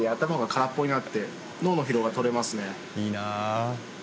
いいな。